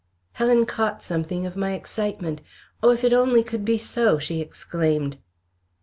Helen caught something of my excitement. "Oh! if it only could be so!" she exclaimed.